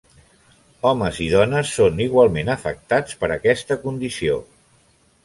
Homes i dones són igualment afectats per aquesta condició.